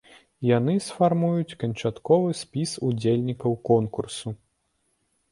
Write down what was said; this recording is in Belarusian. Яны сфармуюць канчатковы спіс удзельнікаў конкурсу.